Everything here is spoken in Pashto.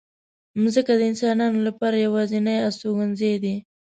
مځکه د انسانانو لپاره یوازینۍ استوګنځای دی.